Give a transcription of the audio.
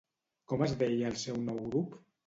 Com es deia el seu nou grup?